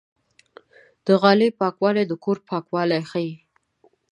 د غالۍ پاکوالی د کور پاکوالی ښيي.